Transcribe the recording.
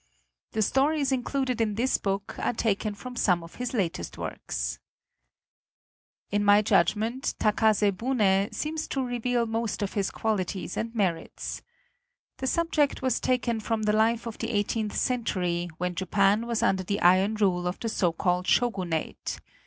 The stories included in this book are taken from some of his latest works, xiv INTRODUCTION In my judgment, "Takase Bune" seems to reveal most of his qualities and merits. The subject was taken from the life of the eighteenth century when Japan was under the iron rule of the so called Shogunate.